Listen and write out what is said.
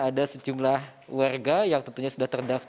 ada sejumlah warga yang tentunya sudah terdaftar